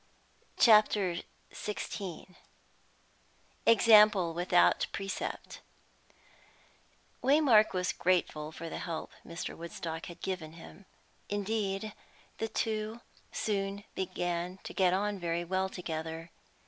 CHAPTER XVI EXAMPLE WITHOUT PRECEPT Waymark was grateful for the help Mr. Woodstock had given him. Indeed, the two soon began to get on very well together.